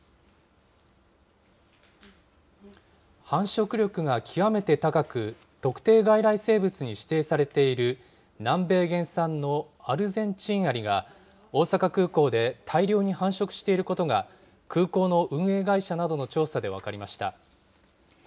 繁殖力が極めて高く、特定外来生物に指定されている、南米原産のアルゼンチンアリが、大阪空港で大量に繁殖していることが、空港の運営会社などの調査で分かりました。